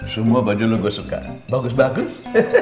semua baju lo gue suka bagus bagus